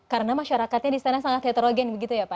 karena masyarakatnya di sana sangat heterogen begitu ya pak